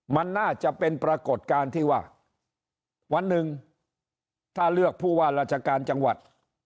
มันน่าจะเป็นปรากฏการณ์ที่ว่าวันหนึ่งถ้าเลือกผู้ว่าราชการจังหวัด